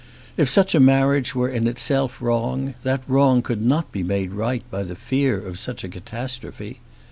If such a marriage were in itself wrong, that wrong could not be made right by the fear of such a catastrophe.